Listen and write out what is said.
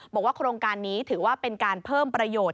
บอกว่าโครงการนี้ถือว่าเป็นการเพิ่มประโยชน์